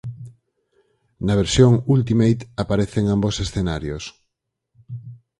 Na versión "Ultimate" aparecen ambos escenarios.